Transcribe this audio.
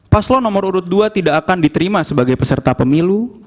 paslon nomor urut dua tidak akan diterima sebagai peserta pemilu